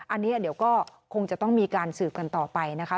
อันนี้เดี๋ยวก็คงจะต้องมีการสืบกันต่อไปนะคะ